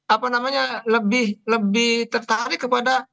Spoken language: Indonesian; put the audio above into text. apa namanya lebih tertarik kepada